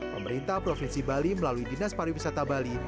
pemerintah provinsi bali melalui dinas pariwisata bali